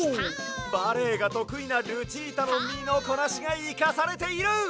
バレエがとくいなルチータのみのこなしがいかされている！